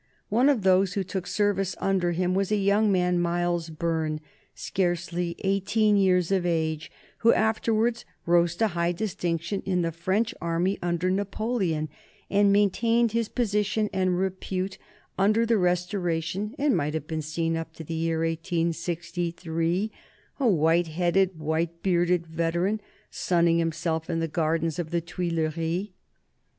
One of those who took service under him was a young man, Miles Byrne, scarcely eighteen years of age, who afterwards rose to high distinction in the French army under Napoleon, and maintained his position and repute under the Restoration, and might have been seen up to the year 1863, a white headed, white bearded veteran, sunning himself in the gardens of the Tuileries.